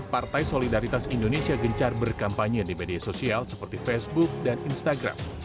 partai solidaritas indonesia gencar berkampanye di media sosial seperti facebook dan instagram